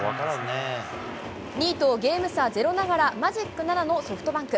２位とゲーム差０ながら、マジック７のソフトバンク。